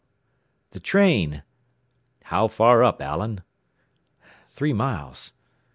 The train! "How far up, Allen?" "Three miles."